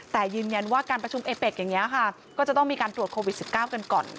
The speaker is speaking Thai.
แต่ยืนยันว่าการประชุมเอเป็กอย่างนี้ค่ะก็จะต้องมีการตรวจโควิด๑๙กันก่อน